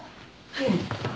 はい。